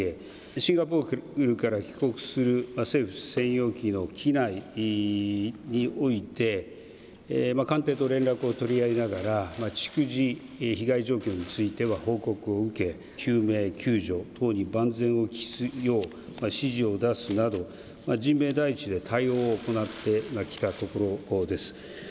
シンガポールから帰国する政府専用機の機内において官邸と連絡を取り合いながら逐次、被害状況については報告を受け、救命救助等万全を期すよう指示を出すなど人命第一で対応を行ってきたところです。